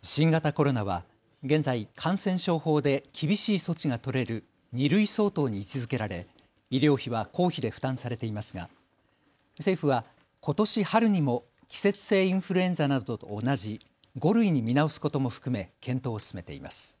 新型コロナは現在、感染症法で厳しい措置が取れる２類相当に位置づけられ医療費は公費で負担されていますが政府はことし春にも季節性インフルエンザなどと同じ５類に見直すことも含め検討を進めています。